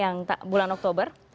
iya ini dia ini yang bulan oktober